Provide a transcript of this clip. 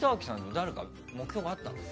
誰か目標があったんですか？